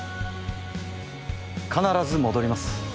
必ず戻ります。